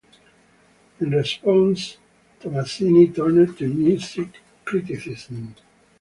In response, Tommasini turned to music criticism.